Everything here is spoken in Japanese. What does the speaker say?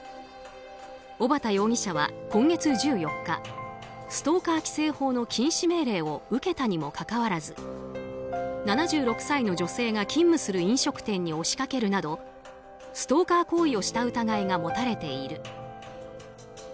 小畑容疑者は今月１４日ストーカー規制法の禁止命令を受けたにもかかわらず７６歳の女性が勤務する飲食店に押し掛けるなどストーカー行為をした疑いが持たれている。